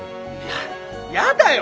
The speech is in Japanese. ややだよ！